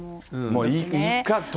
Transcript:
もういいかって。